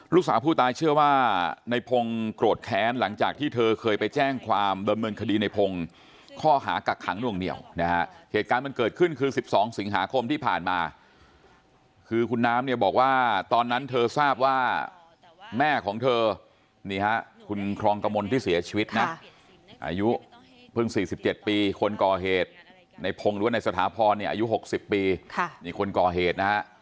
ลูกสาวผู้ตายเชื่อว่าในพงศ์โกรธแค้นหลังจากที่เธอเคยไปแจ้งความเดิมเนินคดีในพงศ์ข้อหากักขังนวงเหนียวนะฮะเหตุการณ์มันเกิดขึ้นคือ๑๒สิงหาคมที่ผ่านมาคือคุณน้ำเนี่ยบอกว่าตอนนั้นเธอทราบว่าแม่ของเธอนี่ฮะคุณครองกระมนที่เสียชีวิตนะอายุเพิ่ง๔๗ปีคนก่อเหตุในพงศ์หรือว่าในสถาพรเนี่ยอายุ๖๐ปีนี่คนก่อเหตุนะฮะ